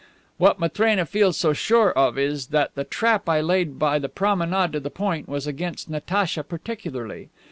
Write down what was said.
What Matrena feels so sure of is that the trap I laid by the promenade to the Point was against Natacha particularly.